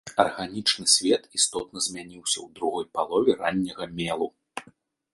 Арганічны свет істотна змяніўся ў другой палове ранняга мелу.